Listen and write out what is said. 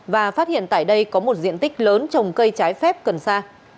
và phát hiện tại đây có một diện tích lớn trồng cây trái phép cần sa